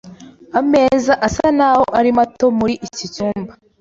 Ameza asa naho ari mato muri iki cyumba.